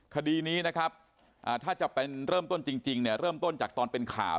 คดีนี้ถ้าจะเป็นเริ่มต้นจริงเริ่มต้นจากตอนเป็นข่าว